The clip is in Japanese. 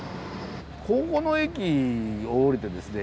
ここの駅を降りてですね